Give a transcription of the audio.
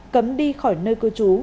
cấm đi khỏi nơi cư trú